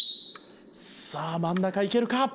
さあ真ん中いけるか？